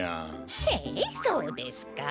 へえそうですか？